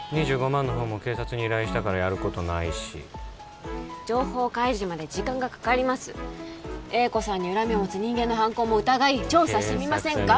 ２５万の方も警察に依頼したからやることないし情報開示まで時間がかかります瑛子さんに恨みを持つ人間の犯行も疑い調査してみませんか？